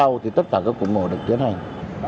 sau đó tất cả các cụ mổ được tiến hành